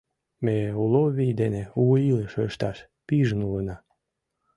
Ме уло вий дене у илыш ышташ пижын улына.